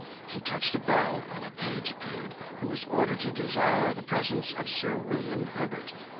He touched a bell, and a page appeared, who was ordered to desire the presence of Sir William Herbert.